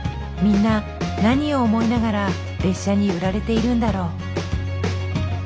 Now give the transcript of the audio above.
みんな何を思いながら列車に揺られているんだろう。